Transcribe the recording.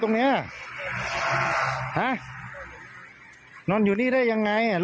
ทิศที่เป็นใคร